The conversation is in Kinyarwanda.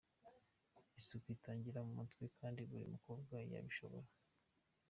Isuku itangirira mu mutwe kandi buri mukobwa yabishobora.